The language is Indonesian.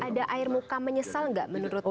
ada air muka menyesal nggak menurut mas andoko